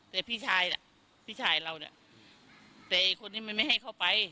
แต่พี่ชายน่ะพี่ชายเราเนี่ยแต่ไอ้คนนี้มันไม่ให้เข้าไป